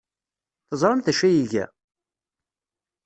Teẓramt d acu ay iga?